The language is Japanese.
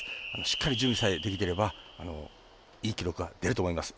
しっかり準備されてきていればいい記録が出ると思います。